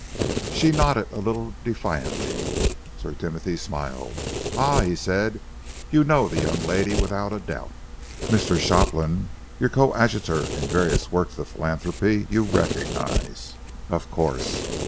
She nodded a little defiantly. Sir Timothy smiled. "Ah!" he said. "You know the young lady, without a doubt. Mr. Shopland, your coadjutor in various works of philanthropy, you recognise, of course?